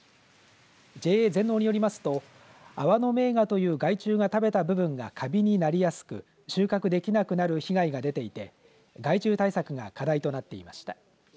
ＪＡ全農によりますとアワノメイガという害虫が食べた部分がかびになりやすく収穫できなくなる被害が出ていて害虫対策が課題となっていました。